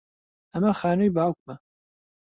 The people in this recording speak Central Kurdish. ئەمە خانووی باوکمە.